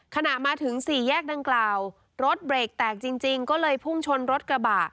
ขณะมาถึงสี่แยกดังกล่าวรถเบรกแตกจริงก็เลยพุ่งชนรถกระบะ